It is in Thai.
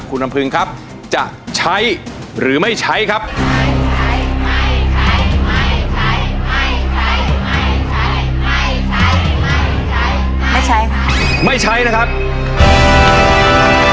คุณลำพึงครับจะใช้หรือไม่ใช้ครับไม่ใช้ไม่ใช้ไม่ใช้ไม่ใช้ไม่ใช้